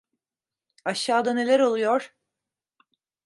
Aşağıda neler oluyor?